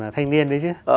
thanh niên đấy chứ